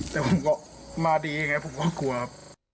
แต่ผมก็มาดียังไงผมก็กลัวครับ